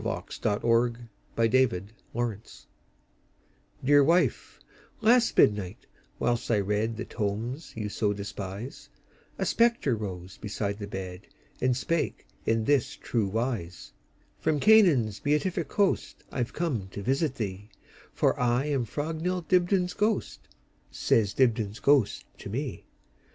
By EugeneField 1045 Dibdin's Ghost DEAR wife, last midnight, whilst I readThe tomes you so despise,A spectre rose beside the bed, And spake in this true wise:"From Canaan's beatific coastI 've come to visit thee, For I am Frognall Dibdin's ghost,"Says Dibdin's ghost to me.